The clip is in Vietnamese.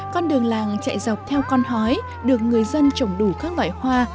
con đường làng chạy dọc theo con hói được người dân trồng đủ các loại hoa